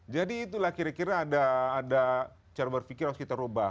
itulah kira kira ada cara berpikir harus kita ubah